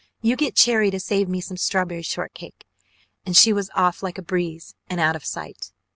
You get Cherry to save me some strawberry shortcake." And she was off like a breeze and out of sight.